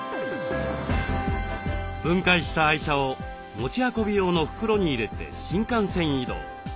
分解した愛車を持ち運び用の袋に入れて新幹線移動。